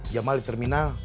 jamal di terminal